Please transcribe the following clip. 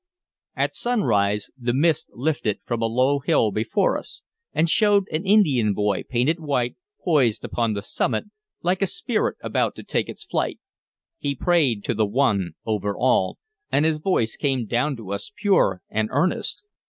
At sunrise the mist lifted from a low hill before us, and showed an Indian boy, painted white, poised upon the summit, like a spirit about to take its flight. He prayed to the One over All, and his voice came down to us pure and earnest.